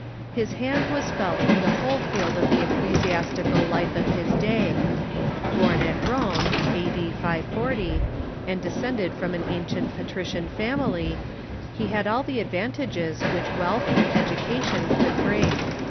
His hand was felt in the whole field of the ecclesiastical life of his day. Born at Rome (a.d. 540) and descended from an ancient patrician family, he had all the advantages which wealth and education could bring.